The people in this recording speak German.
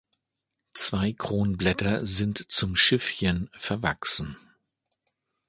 Zwei Kronblätter sind zum Schiffchen verwachsen.